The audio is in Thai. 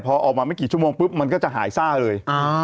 พอออกมาไม่กี่ชั่วโมงปุ๊บมันก็จะหายซ่าเลย